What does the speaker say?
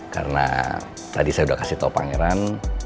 karena tadi saya udah kasih tahu pangeran